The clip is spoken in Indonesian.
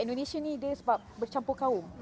indonesia ini sebab bercampur kaum